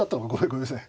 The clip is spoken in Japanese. ごめんなさい。